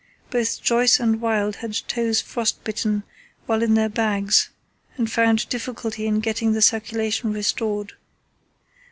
Both Joyce and Wild had toes frost bitten while in their bags and found difficulty in getting the circulation restored.